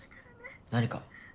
何か。